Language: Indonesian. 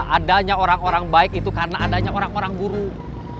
adanya orang orang baik itu karena adanya orang orang buruh